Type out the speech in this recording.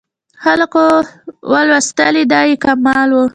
خلکو ولوستلې دا یې کمال و.